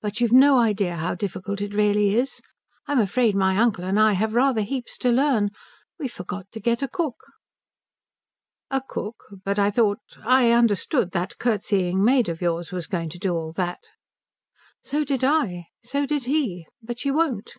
But you've no idea how difficult it really is. I'm afraid my uncle and I have rather heaps to learn. We forgot to get a cook." "A cook? But I thought I understood that curtseying maid of yours was going to do all that?" "So did I. So did he. But she won't."